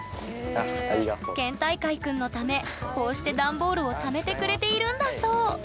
県大会くんのためこうしてダンボールをためてくれているんだそう！